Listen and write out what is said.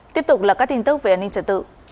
tiếp tục là các tin tức về an ninh trật tự